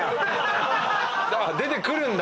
出てくるんだ。